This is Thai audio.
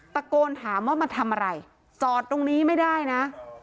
ตะโกนถามว่ามาทำอะไรจอดตรงนี้ไม่ได้นะ